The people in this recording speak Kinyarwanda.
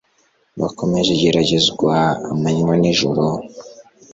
Bakomeje igeragezwa amanywa n'ijoro.